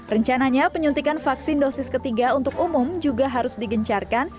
rencananya penyuntikan vaksin dosis ketiga untuk umum juga harus digencarkan